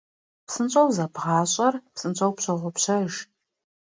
Псынщӏэу зэбгъащӏэр псынщӏэу пщогъупщэж.